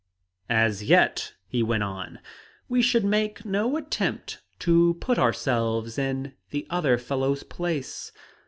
"As yet," he went on, "we should make no attempt to 'put ourselves in the other fellow's place.'